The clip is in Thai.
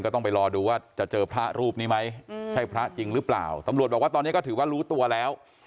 ต้องไปรอดูว่าจะเจอพระรูปนี้ไหมใช่พระจริงหรือเปล่าตำรวจบอกว่าตอนนี้ก็ถือว่ารู้ตัวแล้ว